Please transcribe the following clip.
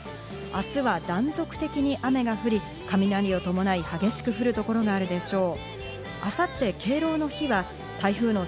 明日は断続的に雨が降り、雷を伴い激しく降る所があるでしょう。